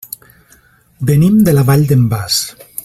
Venim de la Vall d'en Bas.